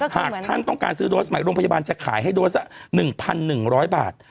หากท่านต้องการซื้อโดสใหม่โรงพยาบาลจะขายให้โดสละ๑๑๐๐บาท